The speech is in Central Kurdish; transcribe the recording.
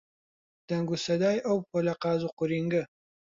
دەنگ و سەدای ئەو پۆلە قاز و قورینگە